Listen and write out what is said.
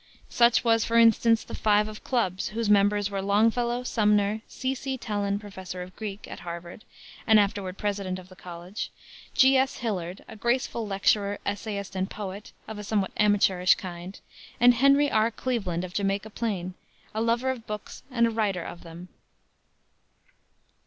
Such was, for instance, the "Five of Clubs," whose members were Longfellow, Sumner, C. C. Tellon, Professor of Greek at Harvard, and afterward president of the college; G. S. Hillard, a graceful lecturer, essayist and poet, of a somewhat amateurish kind; and Henry R. Cleveland, of Jamaica Plain, a lover of books and a writer of them.